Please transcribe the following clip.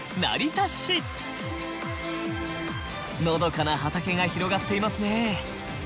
のどかな畑が広がっていますね。